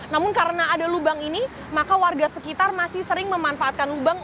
namun karena ada lubang ini maka warga sekitar masih sering memanfaatkan lubang